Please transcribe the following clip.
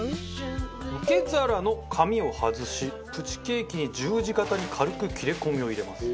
受け皿の紙を外しプチケーキに十字形に軽く切れ込みを入れます。